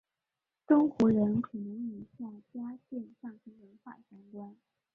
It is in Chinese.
东胡人可能与夏家店上层文化相关。